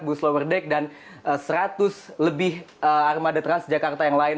bus lower deck dan seratus lebih armada transjakarta yang lain